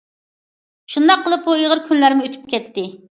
شۇنداق قىلىپ بۇ ئېغىر كۈنلەرمۇ ئۆتۈپ كەتتى.